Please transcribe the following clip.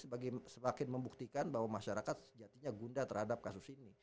sebagai sebagian membuktikan bahwa masyarakat sejatinya gunda terhadap kasus ini